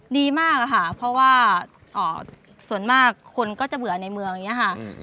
ดีมากค่ะเพราะว่าส่วนมากคนก็จะเบื่อในเมืองอย่างนี้ค่ะ